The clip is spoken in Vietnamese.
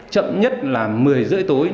chậm nhất là một mươi rưỡi tối